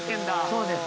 そうです。